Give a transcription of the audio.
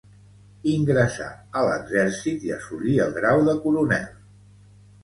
Ingressà a l'exèrcit i assolí el grau de coronel.